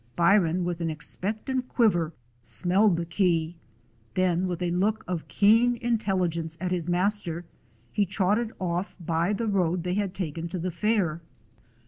Byron, with an expectant quiver, smelled the key; then, with a look of keen intelligence at his master, he trotted off by the road they had taken to the fair.